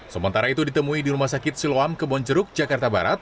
sementara itu ditemui di rumah sakit siloam ke bonjeruk jakarta barat